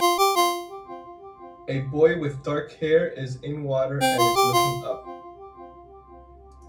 A boy with dark hair is in water and is looking up.